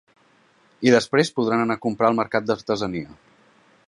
I després podran anar a comprar al mercat d’artesania.